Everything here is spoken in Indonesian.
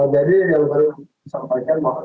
jadi yang baru saya sampaikan